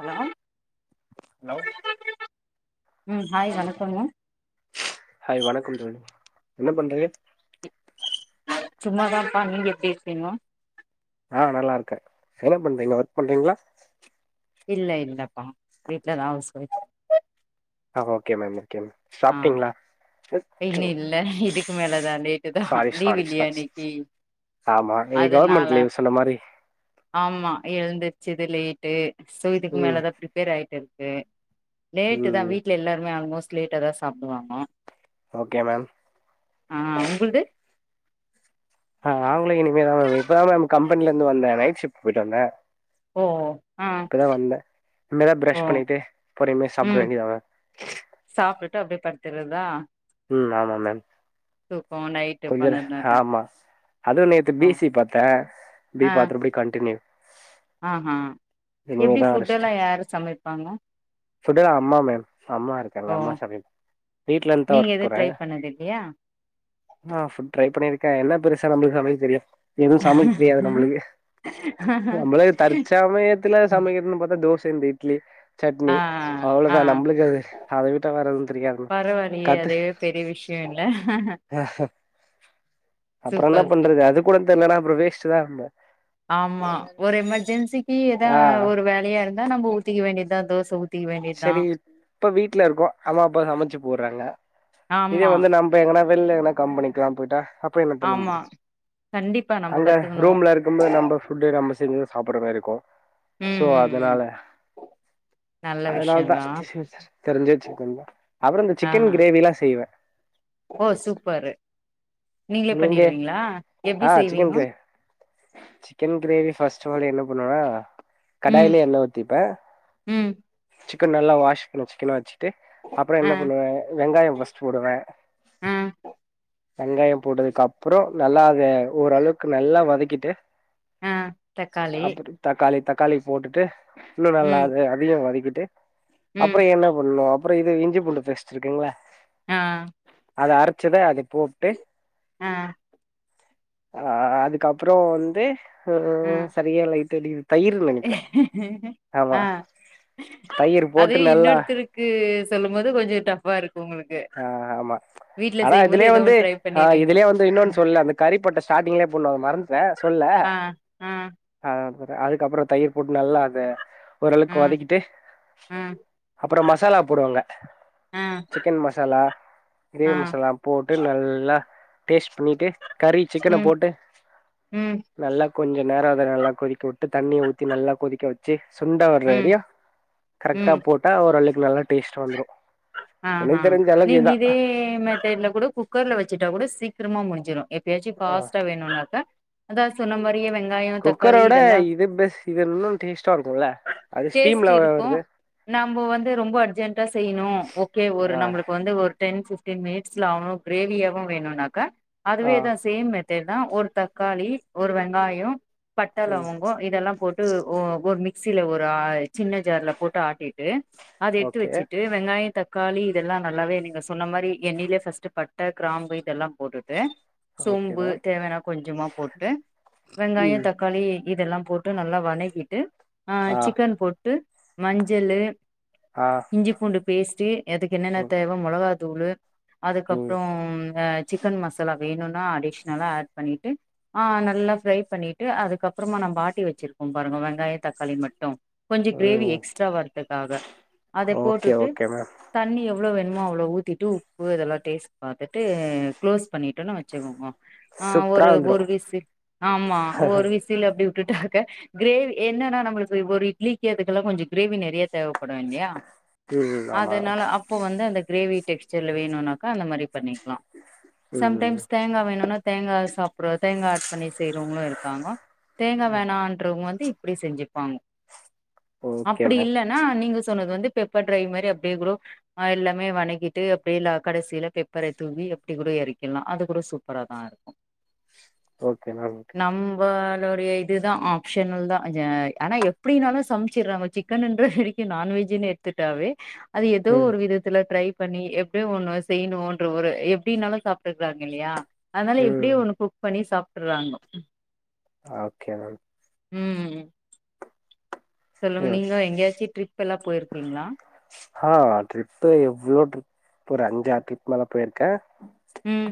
Hello லோ ம் hi வணக்கோங்க ஹாய் வணக்கம் தோழி என்ன பண்றேள் சும்மாதாம்பா நீங்க எப்டிருக்கீங்கோ ஆ நல்லாருக்கே என்ன பண்றீங்கோ ஒர்க் பண்றீங்ளா இல்ல இல்லப்பா வீட்லதா அவுஸ் வைஃப் அ ஓகே மேம் ஓகே மேம் சாப்டீங்ளா இன்னு இல்ல இதுக்கு மேலதா லேட்டு தா சாரி லீவ் சாரி இல்லியா சாரி இன்னிக்கி ஆமா இன்னிக் கவர்மெண்ட் லீவ் சொன்ன மாரி ஆமா எழுந்துருச்சுது லேட்டு சோ இதுக் ம் மேலதா ப்ரிப்பேர் ஆயிட்டுருக்கு லேட்டு தா ம் வீட்ல எல்லாருமே ஆல்மோஸ்ட் லேட்டா தா சாப்டுவாங்க ஓகே மேம் ஆ உங்குளுது ஆ அவங்களூ இனிமே தா மேம் இப்பதா மேம் கம்பெனிலந்து வந்தே நைட் ஷிஃப்ட் போயிட்டு வந்தே ஓ ஆ இப்பதா வந்தே இன்மேதா ஓ ப்ரஷ் பண்ணிட்டு பொறுமையா சாப்ட வேண்டியதா சாப்டுட்டு அப்டே படுத்துறதா ம் ஆமா மேம் து ஃபோன் கொஞ்சர ஆமா அதுவு நேத்து ஓ பீ சி பாத்தே பி ஆ பாத்திரபுடி கண்டினியூ ஆஹா எப்டி இனிமேதா ஃபுட்டெல்லா யாரு சமைப்பாங்க ஃபுட்டெலா அம்மா மேம் அம்மா இருக்காங்க ஓ அம்மா சமைப் வீட்லருந்தா நீங்க ஒர்க் எது போறே ட்ரை பண்ணது இல்லையா ஆ ஃபுட் ட்ரை பண்ணிருக்கே என்ன பெருசா நம்ளுக்கு சமைக்க தெரியா எதுவூ சமைக்க தெரியாது நம்ளுக்கு நமளுக்கு தற்சமயத்துல சமைக்கறதுனு பாத்தா தோஸ் இந்த இட்லி ஆ சட்னி ஆ அவ்ளோதா நம்மளுக்கு அது அத விட்டா வேற எதூ தெரியாது மேம் பரவாயில்லையே கத்து அதுவே பெரிய விஷயோ இல்ல அப்புறோ என்ன சூப்பர் பண்றது சூப்பர் அது கூட தெர்லனா அப்புறோ வேஸ்ட் தா நம்ம ஆமா ஒரு எமெர்ஜென்சி இ ஏதா ஆ ஒரு வேலையா இருந்தா நம்ம ஊத்திக்க வேண்டியதா தோச ஊத் செரி இப்ப வீட்ல இருக்கோ அம்மாப்பா சமச்சு போட்றாங்க இதே ஆமா வந்து நம்ப எங்கனா வெள்ல எங்கனா கம்பெனிக்லா போயிட்டா அப்ப என்ன பண்ண ஆமா முடியு கண்டிப்பா நம்ம அங்க கத்துக்கணு ரூம்லருக்கும்போது நம்ப ஃபுட்டு நம்ம செஞ்சு சாப்புட்ற மாரி இருக்கூ சோ அதனால நல் அதனால தா [unintelligible] தெரிஞ்ச சிக்கன் தா அப்றோ இந்த ஆ சிக்கன் கிரேவிலா செய்வே ஓ சூப்பரு நீங்களே நீங்கே பண்ணிடுவீங்களா எப்டி ஆ செய்வீங்க சிக்கன் க்ரே சிக்கன் க்ரேவி ஃபஸ்ட் வழி என்ன பண்ணுவா ம் கடாயில எண்ணெ ஊத்திப்பே ம் க்கன் நல்ல வாஷ் பண்ணி சிக்கனா வச்சு ட்டு அப்பறம் ஆ என்ன பண்ணுவேன் வெங்காயம் ஃபர்ஸ்ட் போடுவே ஆ வெங்காயம் போட்டதுக்கு அப்புறோ நல்லா அத ஓரளவுக்கு நல்லா வதக்கிட்டு ஆ தக்காளி அப்புற தக்காளி தக்காளி போட்டுட்டு இன்னு நல்லா ம் அத அதையு வதக்கிட் டு ம் அப்புறோ என்ன பண்ணும் அப்புறோ இது இஞ்சி பிண்டு பேஸ்டு இருக்குங்கள ஆ அத அரைச்சத அதை போட்டு ஆ அ அதுக்கப்புறோ வந்து அ ஆ சரியா லைட்டா டிகிரி ஆ தயிர் போட்டு அதையு நல்லா இன்னொருத்தருக்கு சொல்லும் போது கொஞ்சோ டஃபா இரு க்கு ஆ ஆமா ஆனா இதுலயே வந்து அ பண்ணிறீங்க இதுலயே வந்து ம் இன்னோன் சொல்ல அந்த கறிப்போட்ட ஸ்டார்ட்டிங்லயே போண்ணுவு அத மறந்துட்டேன் சொல்ல ஆ ஆ அ அப்ற அதுக்கப்புறோ தயிர் போட்டு நல்லா அத ஆ ஓரளவுக்கு வதக்கிட்டு ஆ அப்புறோ மசாலா போடுவாங்க ஆ சிக்கன் மசாலா கிரேவி ஆ மசாலா போட்டு நல்லா டேஸ்ட் பண்ணிட்டு கறி சிக்கன ம் போட்டு ம் நல்லா கொஞ்சம் நேரம் அதை நல்லா கொதிக்க விட்டு தண்ணியை ஊத்தி நல்லா கொதிக்க வச்சு சுண்டா ம் வர்றரியா கரெக்டா ம் போட்டா ஒரு அள்ளக்கு நல்லா டேஸ்ட் வந்துரும் ஆ ஹா நீங்க இதே மெத்தட்டுல கூட குக்கர்ல வச்சுட்டா கூட சீக்கிரமா முடிஞ்சிரும் [unintelligible] ஃபாஸ்டா வேணும்நாக்க அதா சொன்னமாரியே வெங்க குக்கரோட இது பெஸ்ட் இது இன்னும் டேஸ்ட்டா இருக்கும்ல அது டேஸ்ட் ஸ்டீம்ல இருக்கு வருது நம்ம வந்து ரொம்ப அர்ஜென்டா செய்யணு ஓகே ஒரு ஆ நம்மளுக்கு வந்து ஒரு டென் ஃபிஃப்டீன் மினிட்ஸ்ல ஆணும் கிரேவியாவவும் வேணும்னாக்கா ஆ அதுவேதான் சேம் மெத்தட் தா ஒரு தக்காளி ஒரு வெங்காயம் ம் பட்டாளவங்கம் இதெல்லா போட்டு ஒரு ஒ மிக்சில ஒரு ஆய் சின்ன ஜார்ல போட்டு ஆட்டிட்டு அது எடுத்து ஓகே வச்சிட்டு வெங்காயம் தக்காளி இதெல்லா நல்லாவே நீங்க சொன்ன மாரி எண்ணிலய பர்ஸ்ட் பட்டை கிராம்பு இதெல்லா போட்டுட் டு ஓகே சோம்பு மேம் தேவையானா கொஞ்சமா போட்டு ம் வெங்காயம் தக்காளி இதெல்லா போட்டு மட்டு நல்லா வதக்கிட்டு அ ஆ சிக்கன் போட்டு மஞ்சளு ஆ இஞ்சி பூண்டு பேஸ்ட்டு அதுக்கு என்னென்ன ம் தேவை மிளகா தூளு ம் அதுக்கப்புறம் அ சிக்கன் மசாலா வேணும்னா அடிஷ்னலா ஆட் பண்ணிட்டு ஆஹ் நல்லா ஃப்ரை பண்ணிட்டு அதுக்கப்புறமா நம்பா ஆட்டி வச்சிருக் கோ பாருங்க வெங்காயம் தக்காளி மட்டும் கொஞ்சொ கிரேவி ம் எக்ஸ்ட்ரா வர்துக்காக அதை ஓகே போட்டுட்டு ஓகே மேம் தண்ணிய எவ்ளோ வேணுமோ அவ்ளோ ஊத்திட்டு உப்பு இதெல்லா டேஸ்ட் பார்த்துட்டு க்ளோஸ் பண்ணிட்டுன்னே வச்சுக்கோங்க ஆ சூப்பரா ஒரு வந்துரு ஒரு விசி ஆமா ஒரு விசில் அப்டி வுட்டுட்டாக்க கிரேவி என்னன்னா நம்மளுக்கு ஒரு இட்லிக்குதுக்கெல்லா கொஞ்சொ கிரேவி நிறைய தேவைப்படும் இல்லையா ம் ம் ஆமா அதனால ஓகே அப்போ வந்து அந்த கிரேவி டெக்ஸர்ல வேணும்னாக்கா அந்த மாதிரி பண்ணிக்கலாம் ம் சம்டைம்ஸ் தேங்காய் வேணும்னா தேங்காய் சாப்புற தேங்காய் ஆட் பண்ணி செய்யறவங்களும் இருக்காங்க தேங்க் வேணன்றவங்க வ ந்து இப்டி செஞ்சுப்பாங்க ஓகே அப்படி மேம் இல்லைன்னா நீங்க சொன்னது வந்து பெப்பர் ஃப்ரை மாரி அப்டியே கூட அ எல்லாமே வணக்கிட்டு அப்படியே கடைசியில பெப்பரை தூவி அப்படி கூட இரக்கி லா அது கூட சூப்பரா தா இருக்கு ஓகே நா ஓகே அவ்வாளோடைய இதுதா ஆப்ஷனல் தான் ஆனா எப்படின்னாலு சமைச்சடுறே சிக்கன்ன்ற நான்வெஜன்னு எடுத்துட்டாவே அது ஏதோ ம் ஒரு விதத்துல ட்ரை பண்ணி எப்படிய ஒண்ணு செய்யணும்ன்ற ஒரு எப்படின்னாலும் சாப்ட்டுகுறாங்க இல்லையா அதுனால ம் எப்டியு ஒண்ணு குக் பண்ணி சாப்டுற்றாங்கோ ஓகே மேம் ம் சொல்லுங்க ம் நீங்கோ எங்கயாச்சு ட்ரிப் எல்லா போய்ருக்கீங்ளா ஆ ட்ரிப்பு எவ்ளோ ட்ரிப் ஒரு அஞ்சாறு ட்ரிப் மேல போயிருக்கே ம்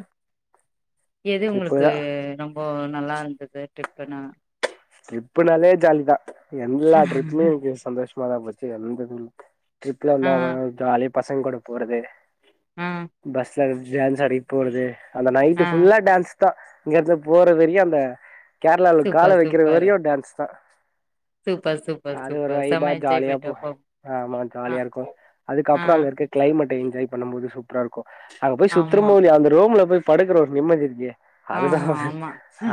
எது ட்ரிப்பு உங்களுக்கு தா ரொம் போ நல்லா இருந்தது ட்ரிப்புன்னா ட்ரிப்புனாலே ஜாலி தா எல்லா ட்ரிப்புமே எனக்கு சந்தோஷமாதா போச்சு எந்த இது ட்ரிப்ல ஆ எல்லாரு ஜாலியா பசங் கூட போறது ஆ பஸ் [unintelligible] டான்ஸ் ஆடிட் போறது அந்த நைட்டு ஆ ஃபுல்லா டான்ஸ் தா இங்க இருந்து போற வரையு அந்த கேரளால கால சூப்பர் வக்கிற சூப்பர் வரையு டான்ஸ் தா சூப்பர் சூப்பர் அது ஒரு சூப்பர் செம வைபா ஜாலியா என்ஜாய்மன்ட் போ அப்போ ஆமா ஆ ஜாலியா இருக்கு ஆ அதுக்கப்பறோ அங்க இருக்க கிளைமட்டு என்ஜாய் பண்ணம் போது சூப்பரா இருக்கு அங்க போய் ஆமா சுத்துருமோ இல்லயோ அந்த ரூம்ல போய் படுக்குற ஒரு நிம்மதி இருக்கே அதுதா ஆமா ஆமா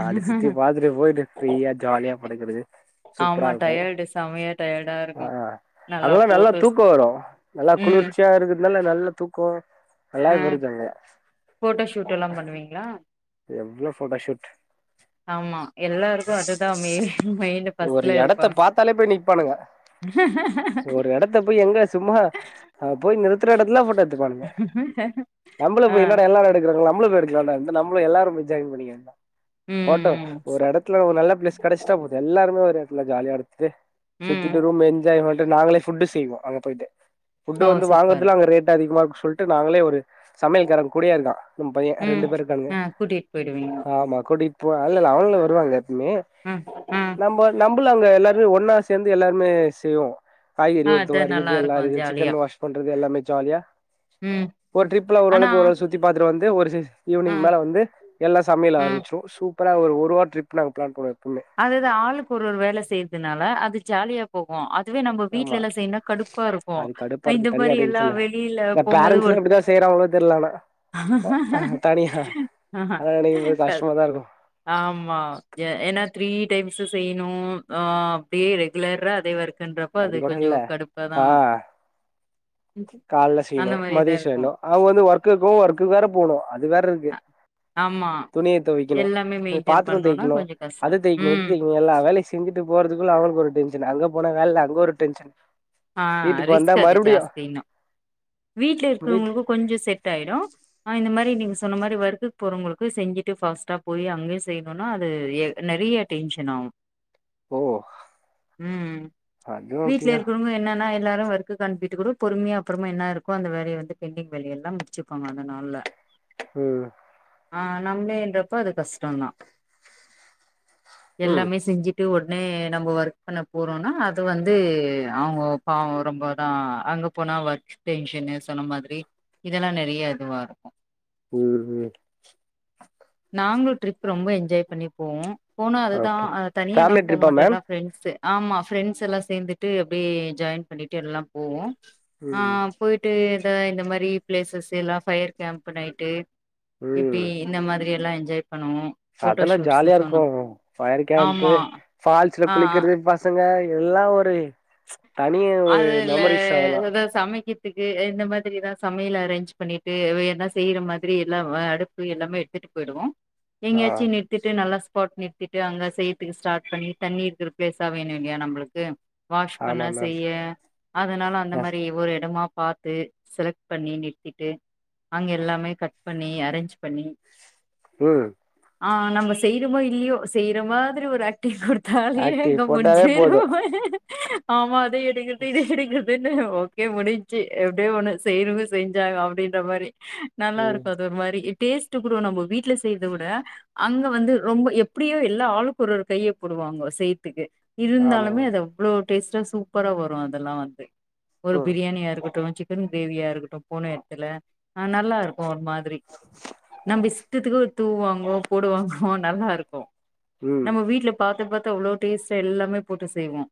அது சுத்தி பாத்துட்டு போய்ட்டு ஃப்ரீயா ஜாலியா படுகுறது ஆமா டயர்டு செமையா டயர்டா இருக்கு அங்கல்லா நல்லா தூக்கோ வரு நல்லா ம் குளுர்ச்சியா இருக்கறதுனால நல்லா தூக்கோ நல்லாவே வருது அங்க போட்டோஷூட் எல்லா பண்ணுவீங்ளா ஃபோட்டோஷூட் ஆமா எல்லாருக்கு அதுதா மெ மெயின் ஒரு ஃபர்ஸ்ட்ல எடத்த இருப்பாங்க பாத்தாலே போய் நிப்பானுங்க ஒரு எடத்த போய் எங்க சும்மா அங்க போய் நிறுத்துற எடத்துலல்லா போட்டோ எடுத்துக்குவானுங்க ஆஹ நம்மளு போய் என்னாடா எல்லாரு எடுக்குறாங்க நம்மளு போய் எடுக்கலாண்டா நம்மளு எல்லாரு போய் என்ஜாய் [unintelligible] ம் போட்டோ ம் ஒரு எட துல ஒரு நல்ல பளேஸ் கெடஸ்டா போது எல்லாருமே ஒரு எடத்துல ஜாலியா எடுத்துட்டு ம் சுத்திட்டு ரூம் என்ஜாய் டு நாங்களே ஃபுட்டு செய்வோ அங்க போய்ட்டு ஃபுட்டு ஓ வந்து சூப்பர் வாங்கறதுலா அங்க ரேட் அதிகமா இருக்கு சொல்ட்டு நாங்களே ஒரு சமையல்காரே கூடயே இருக்கா நம் பையே ம் ரெண்டு பேரு இருக்கானுங்க ஆ கூட்டிட்டு போயிடுவீங்க ஆமா கூட்டிட் ப இல்லல்ல அவனுங்களு வருவாங்க எப்பமே ம் ஆ நம்ம நம் ஃபுல்லா அங்க எல்லாருமே ஒன்னா சேந்து எல்லாருமே செய்வோ காய்கறி ஆ அது ஒருத்தவுங்க நல்லா அறியறது எல்லா இருக்கு ஜாலியா சிக்கன் வாஷ் பண்றது எல்லாமே ஜாலியா ம் ஒரு ட்ரிப்ல ஆனா ஒரளவுக்கு ஒராள் சுத்தி பாத்துட்டு வந்து ஒரு சி ஆ ஈவ்னிங் மேல வந்து எல்லா சமையல் ஆ ஆரம்பிச்சிறு சூப்பரா ஒரு ஒருவாரோ ட்ரிப் நாங்க பிளான் பண்ணுவோ எப்பவுமே அதுதா ஆளுக்கு ஒரு ஒரு வேல செய்றதுனால அது ஜாலியா போகு அதுவே நம்ப ஆமா வீட்லல்லா செய்யனுனா கடுப்பா இருக்கு இந்த மாரி எல்லா வெளில பேரண்ஸ்லா எப்டிதா செய்றாங்களோ தெர்ல ஆனா அ ஹ தனியா ஆஹா. அதலா நெனைக்கும் போது கஷ்டமாதா இருக்கு ஆமா எ ஏன்னா த்ரீ த்ரீ டைம்ஸு செய்யணு அ அப்டியே ரெகுலரா அதே வொர் அது கூட இல்ல ஆ கால்ல அந்த செய்ணு மாரிதா மதியொ இருக்கு செய்ணு அவுங்க வந்து ஒர்க் இருக்கு ஒர்க்குக் வேற போணு அது வேற இரு கு அ ஆமா எல்லாமே மெயின்டென் பாத்ரோ பண்ணுனா தேய்க்கனு கொஞ்சோ கஷ்டோ அது தேய்க்கணு இது ம் தேய்க்கணு எல்லா வேலயு செஞ்சுட்டு போறதுக்குள்ள அவுங்களுக்கு ஒரு டென்ஷனு அங்க போனா வேல அங்க ஒரு டென்ஷன் ஆ வீட்டுக்கு வந்தா ரிஸ்க் அது மறுபடியு ஜாஸ்தி இன்னு வீட்ல வீட் இருக்குறவங்களுக்கு கொஞ்சோ செட் ஆய்டு ஆனா இந்த மாரி நீங்க சொன்ன மாரி ஒர்க்குக்கு போறவங்களுக் கு செஞ்சுட்டு ஃபஸ்ட்டா போய் அங்கயு செய்யணுனா அது எ நெறைய டென்ஷன் ஆகு ஓ ம் அதுவு வீட்ல அப்டிதா இருக் என்னன்னா எல்லாரு ஒர்க அனுப்பிட்டு கூட பொறுமையா அப்புறமா என்ன இருக்கோ அந்த வேலைய வந்து பெண்டிங் வேலைய எல்லா முடிச்சுப்பாங்க அத னால ம் ஆ நம்மளேன்றப்போ அது கஷ்டம் தா ம் எல்லாமே செஞ்சு ட்டு ஒட்னே நம்ம ஒர்க் பண்ண போறோம்னா அது வந்து அவங்க பாவம் ரொம்பதா அங்க போனா ஒர்க் டென்ஷன்ன சொன்ன மாதிரி இதெல்லா நிறைய இதுவா இருக்கும் ம் ம் நாங்களு ட்ரிப் ரொம்ப என்ஜாய் பண்ணி போவோ போனா அதுதா ஓகே அத தனிய எல்லா ஃபேமிலி ட்ரிப்பா மாட்டே மேம் எல்லா ஃப்ரெண்ட்ஸு ஆமா ஃப்ரெண்ட்ஸ் எல்லா சேர்ந்துட்டு அப்டியே ஜாயின் பண்ணிட்டு எல்லா போவோ ஆ ம் போயிட்டு ஏதா இந்த மாரி பிளேசஸ் எல்லா ஃபயர் கேம்ப் நைட்டு இப்டி ம் இந்த மாதிரி எல்லா என்ஜாய் பண்ணுவோ போட்டோ அதெல்லா ஷூட்ஸ் ஜாலியா சொன்னா இருக்கு ஃபயர் கேம்பு ஆமா ஃபால்ஸ்ல ஆ ஆ குளிக்கறது பசங்க எல்லா ஒரு தனிய ஒரு மெமரிஸ் அதெல்லா அதுக்கு இந்த மாதிரிதான் சமையல் அரேஞ்ச் பண்ணிட்டு வேணா செய்யற மாதிரி எல்லா அடுப்பு எல்லாமே எடுத்து ட்டு போயிடுவோ ஆ எங்கயாச்சு நிறுத்திட்டு நல்லா சா போட் நிறுத்திட்டு அங்க செய்துக்கு ஸ்டார்ட் பண்ணி தண்ணி இருக்குற ப்ளேஸா வேணும் இல்லையா நம்ளுக்கு வாஷ் பண்ண ஆமா மேம் செய்ய அதனால அந்த மாரி ஒரு எடமா பாத்து செலக்ட் பண்ணி நிறத்திட்டு அங்க எல்லாமே கட் பண்ணி அரேஞ்ச் பண்ணி ம் ஆ நம்ம செய்யறோமோ இல்லையோ செய்யற மாதிரி ஒரு ஆக் டிவ் கொடுத்தாலயே ஆக்டிவ் அங்க போட்டாவே போது முடிஞ்சுரும் ஆமா அத எடுக்கது இத எடுக்கது து ஓகே முடிஞச்சு எப்டியோ ஒண்ண செய்றங்க செஞ்சாங்க அப்டின்ற மாரி நல்லா ம் இருக்கு அது ஒரு மாரி டேஸ்ட் கூட நம்ம வீட்ல செய்றத விட அங்க வந்து ரொம்ப எப்படியோ எல்லா ஆளுக்கு ஒரு ஒரு கையை போடுவா ங்கோ செய்த்துக்கு ஆமா இருந்தாலுமே மேம் அது அவ்ளோ டேஸ்ட்டா சூப்பராக வரு அதெல்லா வந்து ஒரு ம் பிரியாணியா இருக்கட்டு சிக் கன் கிரேவியா இருக்கட்டு போன இடத்துல அ நல்லா இருக்கு ஒரு மாதிரி நம்ம இஷ்டத்துக்கு தூவாங்கோ போடுவாங்கோ நல்லா இருக்கு ம் நம்ம வீட்டுல பாத்து பாத்து அவ்ளோ டேஸ்டா எல்லாமே போட்டு செய்வோ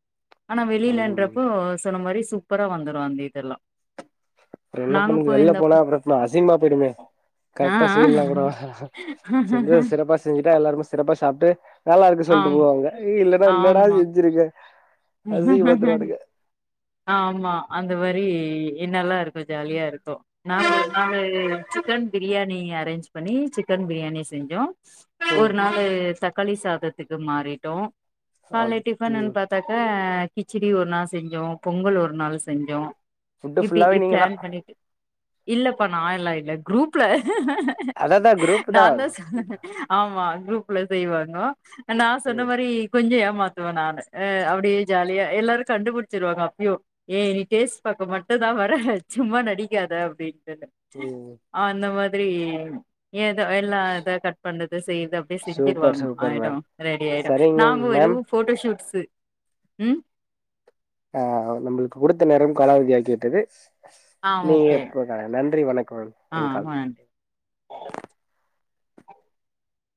ஆனா வெளியில ம் ன்றப்போ சொன்ன மாரி சூப்பரா வந்துரு அந்த இதெல்லா அப்புறம் என்ன நாங்க பண்ணது வெளில போனா போயிருந்தப்போ அப்புறமா அசிம்மா போயிடுமே ஆ கரெக்டா செய்யலா கூட செஞ்ச சிறப்பா செஞ்சுட்டா எல்லாருமே சிறப்பா சாப்ட்டு நல்லா இருக்கு ஆ சொல்லிட்டு ஆம் போவாங்க இல்லன்னா இன்னொரு நாள் ஆமா செஞ்சிருங்க அசிங் பத்ருவானுங்க ஆ ஆமா அந்த மாரி என்னல்லா இருக்கு ஜாலியா இருக்கு [unintelligible] சிக்கன் பிரியாணி அரேஞ்ச் பண்ணி சிக்கன் பிரியாணி செஞ்சோ ம் ஒரு நாள் தக்காளி சாதத்துக்கு மாறிட்டோ காலை டிஃபன்ன்னு ம் பாத்தாக்கா கிச்சடி ஒரு நாள் செஞ்சோ பொங்கல் ஒரு நாள் செஞ்சோ ஃபுட்டு இப்படி ஃபுல்லாவே நீங்க தா பிளான் பண்ணிட்டு இல்லப்பா நா எல்லா இல்ல குரூப்ல அததா குரூப் நா தா சொ ஆமா குரூப்ல செய்வாங்கோ நா சொன்ன ம் மாரி கொஞ்சொ ஏமாத்துவ நானு அ அப்டியே ஜாலியா எல்லாரு கண்டுபிடிச்சிருவாங்க அ ய்யோ ஏ நீ டேஸ் பாக்க மட்டும் தா வர சும்மா நடிக்காத அப்டின்னு [unintelligible] ம் அந்த மாதிரி ஏதோ எல்லா இத கட் பண்ணது செய் யத அப்டியே சூப்பர் செஞ்சிருவாங்க சூப்பர் மேம் ஆயிடும் ரெடி ஆயிடும் சரிங்க நாங்க மேம் வெறும் போட்டோ ஷூட்ஸு ம் ஆ நம்மளுக்கு குடுத்த நேரம் காலாவதி ஆக்கிவிட்டது ஆ நீங்க ஓகே எப்பகா நன்றி வணக்கம் ஆ எங்கால்